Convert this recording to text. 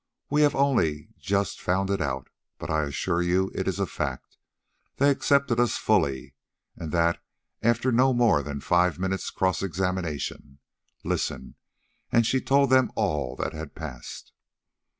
We have only just found it out, but I assure you it is a fact; they accepted us fully, and that after not more than five minutes' cross examination. Listen!" And she told them all that had passed.